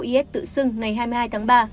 hồi giáo is tự xưng ngày hai mươi hai tháng ba